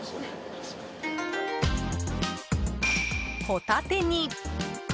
ホタテに。